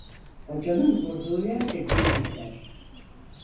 Hocanın vurduğu yerde gül biter.